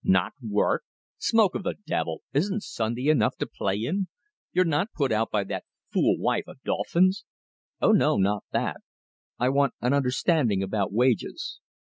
"Not work! Smoke of the devil, isn't Sunday enough to play in? You're not put out by that fool wife of Dauphin's?" "Oh no not that! I want an understanding about wages."